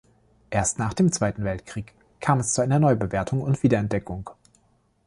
Erst nach dem Zweiten Weltkrieg kam es zu einer Neubewertung und Wiederentdeckung.